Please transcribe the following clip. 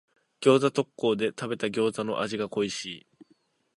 餃子特講で食べた餃子の味が恋しい。